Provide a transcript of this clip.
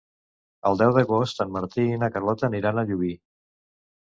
El deu d'agost en Martí i na Carlota aniran a Llubí.